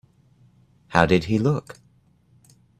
How did he look?